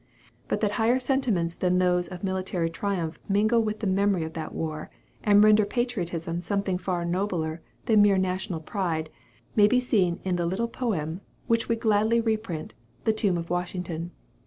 But that higher sentiments than those of military triumph mingle with the memory of that war, and render patriotism something far nobler than mere national pride, may be seen in the little poem which we gladly reprint, "The Tomb of Washington."